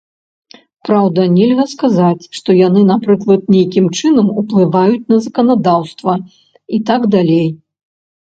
Праўда, нельга сказаць, што яны напрыклад, нейкім чынам уплываюць на заканадаўства і так далей.